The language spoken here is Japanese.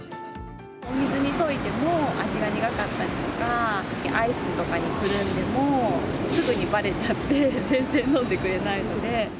お水に溶いても、味が苦かったりとか、アイスとかにくるんでもすぐにばれちゃって、全然飲んでくれないので。